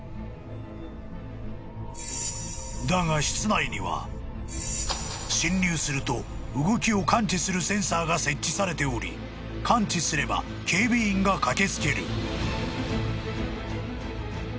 ［だが室内には侵入すると動きを感知するセンサーが設置されており感知すれば警備員が駆け付ける］